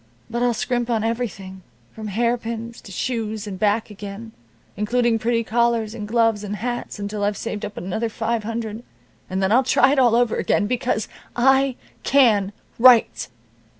But I'll scrimp on everything from hairpins to shoes, and back again, including pretty collars, and gloves, and hats, until I've saved up another five hundred, and then I'll try it all over again, because I can write."